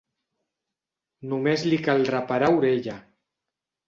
Només li caldrà parar orella.